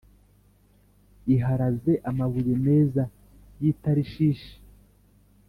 iharaze amabuye meza y’i Tarishishi.